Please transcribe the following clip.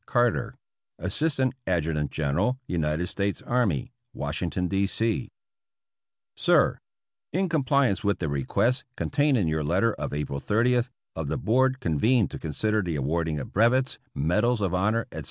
Carter, Assistant Adjutant General United States Army, Washington, D. C. Sir : In compliance with the request, contained in your letter of April 30th, of the Board convened to consider the awarding of brevets, medals of honor, etc.